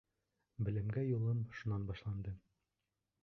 Белемгә юлым шунан башланды.